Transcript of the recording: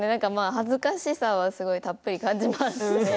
恥ずかしさはたっぷり感じますね。